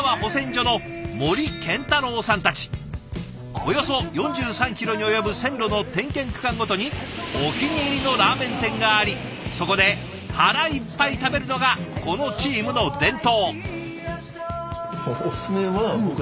およそ４３キロに及ぶ線路の点検区間ごとにお気に入りのラーメン店がありそこで腹いっぱい食べるのがこのチームの伝統。